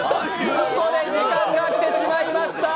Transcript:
ここで時間が来てしまいました。